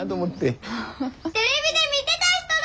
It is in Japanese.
テレビで見てた人だ！